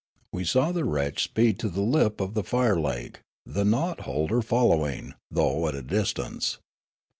We saw the wretch speed to the lip of the fire lake, the knout holder following, though at a distance.